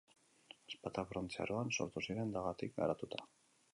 Ezpatak Brontze Aroan sortu ziren, dagatik garatuta.